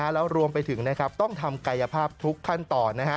แล้วรวมไปถึงต้องทำกายภาพทุกขั้นตอน